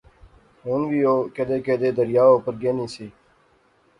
ہن وی او کیدے کیدے دریا اپر گینی سی